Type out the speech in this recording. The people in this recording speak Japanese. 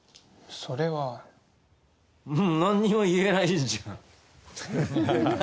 それは何にも言えないじゃん